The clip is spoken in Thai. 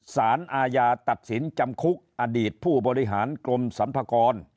สารอาญาตัดสินจำคุกอดีตผู้บริหารกรมสัมภากร